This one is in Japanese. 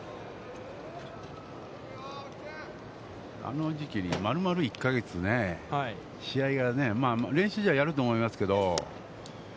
あの時期に丸々１か月試合が、練習試合をやると思いますけど。